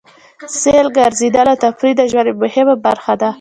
سیل، ګرځېدل او تفرېح د ژوند یوه مهمه برخه ده.